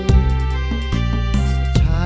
ไม่ใช้